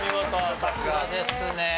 さすがですね。